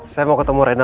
saya mau ketemu rena